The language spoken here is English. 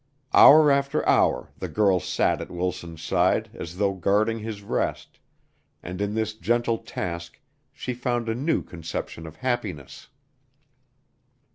Hour after hour the girl sat at Wilson's side as though guarding his rest, and in this gentle task she found a new conception of happiness.